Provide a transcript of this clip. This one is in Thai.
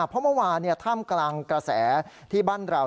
เพราะเมื่อวานท่ามกลางกระแสที่บ้านเรา